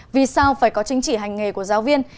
vì sao phải có chứng chỉ hành nghề của giáo viên